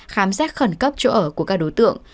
khám xét khẩn cấp chỗ ở của các đối tượng